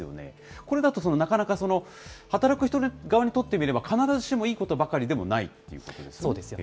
これだと、なかなか働く人側にとってみれば、必ずしもいいことばそうですよね。